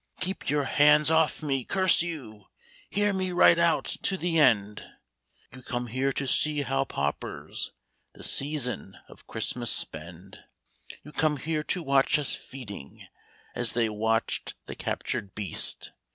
Keep your hands off me, curse you ! Hear me right out to the end. You came here to see how paupers The season of Christmas spend. JN THE WORKHOUSE. ii You came here to watch us feeding, A$ they watch the captured beast.